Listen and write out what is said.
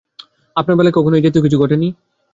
আপনার বেলায় কখনো এই জাতীয় কিছু ঘটে নি?